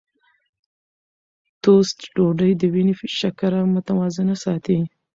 ټوسټ ډوډۍ د وینې شکره متوازنه ساتي.